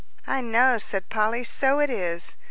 "I know," said Polly, "so it is."